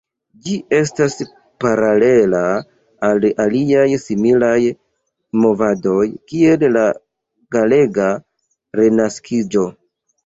Ĝi estas paralela al aliaj similaj movadoj, kiel la galega Renaskiĝo.